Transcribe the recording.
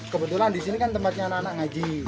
kebetulan di sini kan tempatnya anak anak ngaji